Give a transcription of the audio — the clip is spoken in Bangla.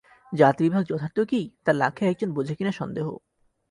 জাতিবিভাগ যথার্থ কি, তা লাখে একজন বোঝে কিনা সন্দেহ।